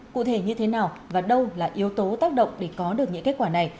cụ thể như thế nào và đâu là yếu tố tác động để có được những kết quả này